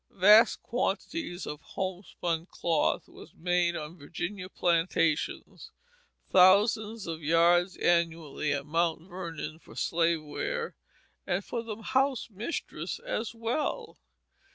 Vast quantities of homespun cloth was made on Virginian plantations, thousands of yards annually at Mount Vernon for slave wear, and for the house mistress as well.